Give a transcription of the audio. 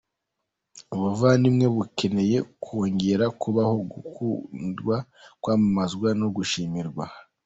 Ubuvandimwe bukeneye kwongera kubaho, gukundwa, kwamamazwa no gushimagirwa.